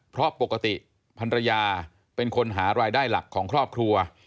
เพราะปกติพันรยาเป็นคนหารายได้หลักของครอบครัว